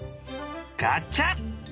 ガチャ！